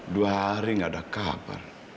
dua hari tidak ada kabar